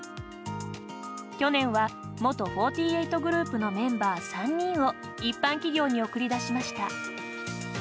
去年は元４８グループのメンバー３人を一般企業に送り出しました。